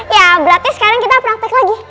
ya berarti sekarang kita praktek lagi